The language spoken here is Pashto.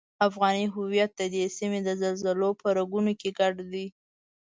افغان هویت ددې سیمې د زلزلو په رګونو کې ګډ دی.